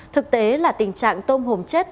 thực tế là tình trạng tôm hùm chết